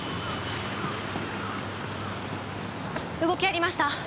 動きありました？